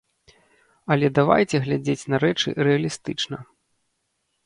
Але давайце глядзець на рэчы рэалістычна.